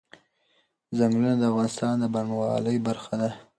ځنګلونه د افغانستان د بڼوالۍ برخه ده.